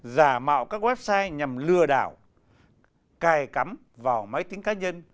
giả mạo các website nhằm lừa đảo cài cắm vào máy tính cá nhân